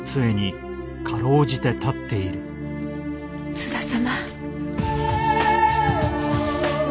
津田様。